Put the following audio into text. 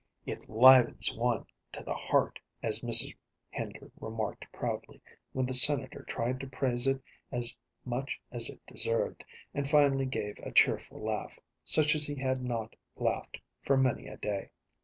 "It 'livens one to the heart," as Mrs. Hender remarked proudly, when the Senator tried to praise it as much as it deserved, and finally gave a cheerful laugh, such as he had not laughed for many a day.